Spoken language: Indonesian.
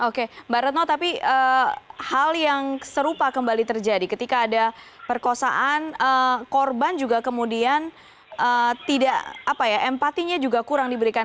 oke mbak retno tapi hal yang serupa kembali terjadi ketika ada perkosaan korban juga kemudian tidak apa ya empatinya juga kurang diberikan